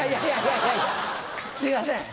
いやいやすいません。